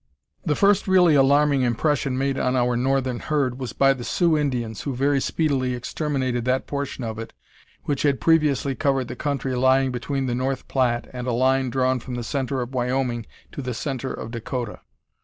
The first really alarming impression made on our northern herd was by the Sioux Indians, who very speedily exterminated that portion of it which had previously covered the country lying between the North Platte and a line drawn from the center of Wyoming to the center of Dakota.